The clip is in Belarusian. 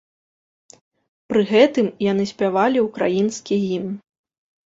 Пры гэтым яны спявалі ўкраінскі гімн.